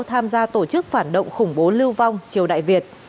tham gia tổ chức phản động khủng bố lưu vong triều đại việt